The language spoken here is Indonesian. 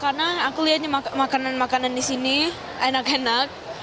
karena aku lihatnya makanan makanan di sini enak enak